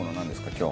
今日。